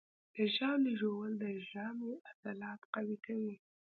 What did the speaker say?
د ژاولې ژوول د ژامې عضلات قوي کوي.